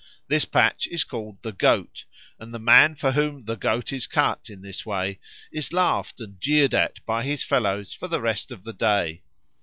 This patch is called the Goat; and the man for whom "the Goat is cut" in this way, is laughed and jeered at by his fellows for the rest of the day.